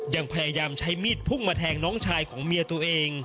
ยังพยายามใช้มีดพุ่งมาแทงน้องชายของเมียตัวเอง